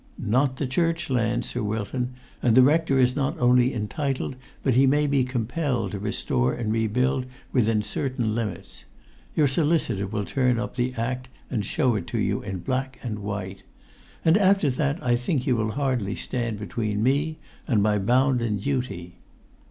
"Not the church land, Sir Wilton; and the rector is not only entitled, but he may be compelled, to restore and rebuild within certain limits. Your solicitor will turn up the Act and show it you in black and white. And after that I think you will hardly stand between me and my bounden duty."